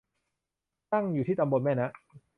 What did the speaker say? ตั้งอยู่ที่ตำบลแม่นะ